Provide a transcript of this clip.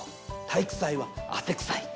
体育祭は汗くさい」。